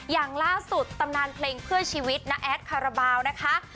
อย่างล่าสุดตำนานเพลงเพื่อชีวิตน้าแอดคาราบาลนะคะ